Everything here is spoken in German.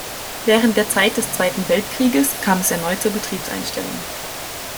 Während der Zeit des Zweiten Weltkrieges kam es erneut zur Betriebseinstellung.